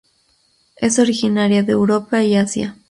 Es originaria de Europa y Asia.